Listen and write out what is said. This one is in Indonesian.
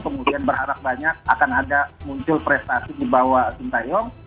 kemudian berharap banyak akan ada muncul prestasi di bawah sintayong